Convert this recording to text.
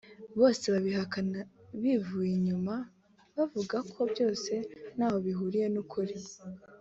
bose babikana bivuye inyuma bavuga ko byose ntaho bihuriye n’ukuri